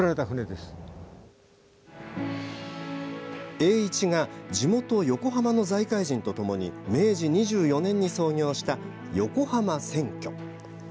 栄一が地元・横浜の財界人とともに明治２４年に創業した横浜船きょ。